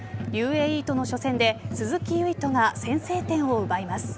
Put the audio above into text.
ＵＡＥとの初戦で鈴木唯人が先制点を奪います。